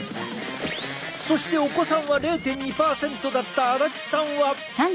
そしてお子さんは０．２％だった足立さんは。